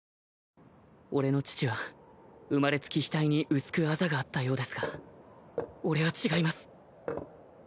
俺の父は生まれつき額に薄くあざがあったようですが俺は違います